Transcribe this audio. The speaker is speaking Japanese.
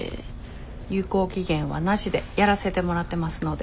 有効期限はなしでやらせてもらってますので。